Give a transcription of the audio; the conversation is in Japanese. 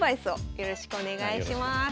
よろしくお願いします。